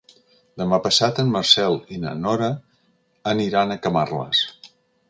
Demà passat en Marcel i na Nora aniran a Camarles.